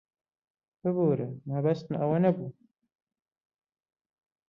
ببوورە، مەبەستم ئەوە نەبوو.